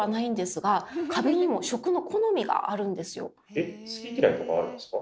えっ好き嫌いとかあるんですか？